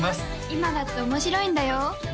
今だって面白いんだよ？